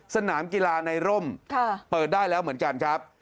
สนามกีฬาในร่มเปิดได้แล้วเหมือนกันครับ